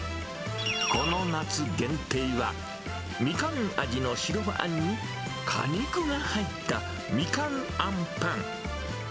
この夏限定は、みかん味の白あんに、果肉が入ったみかんあんぱん。